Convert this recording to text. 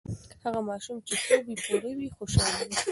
هغه ماشوم چې خوب یې پوره وي، خوشاله وي.